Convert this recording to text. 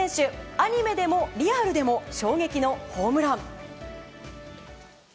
アニメでもリアルでも衝撃のホームラン。